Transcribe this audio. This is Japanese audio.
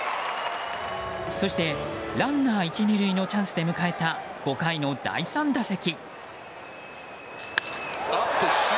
そして、ランナー１、２塁のチャンスで迎えた５回の第３打席。